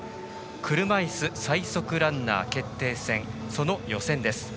車いす最速ランナー決定戦その予選です。